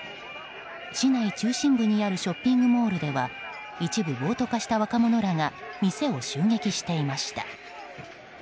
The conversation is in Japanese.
市内中心部にあるショッピングモールでは一部暴徒化した若者らが店を襲撃していました。